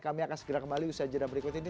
kami akan segera kembali usaha jadwal berikut ini